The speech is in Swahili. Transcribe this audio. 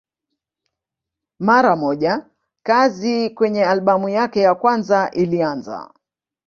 Mara moja kazi kwenye albamu yake ya kwanza ilianza.